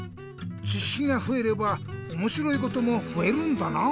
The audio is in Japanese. ちしきがふえればおもしろいこともふえるんだな。